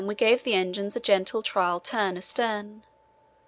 we gave the engines a gentle trial turn astern.